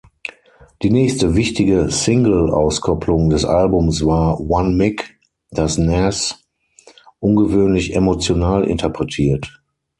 Die nächste wichtige Singleauskopplung des Albums war "One Mic", das Nas ungewöhnlich emotional interpretiert.